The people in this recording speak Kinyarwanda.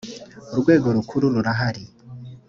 urwego rukuru rurahari.